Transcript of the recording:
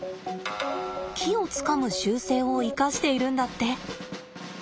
木をつかむ習性を生かしているんだって。